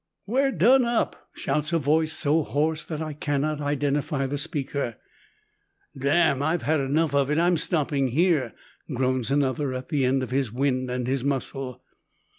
"We're done up," shouts a voice so hoarse that I cannot identify the speaker. "Damn! I've enough of it, I'm stopping here," groans another, at the end of his wind and his muscle.